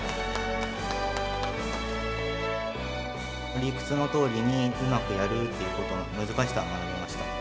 理屈のとおりにうまくやるっていう事の難しさを学びました。